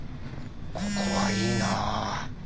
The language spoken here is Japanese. ここはいいな。